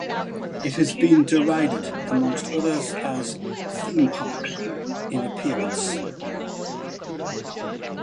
It has been derided amongst others as "theme park" in appearance.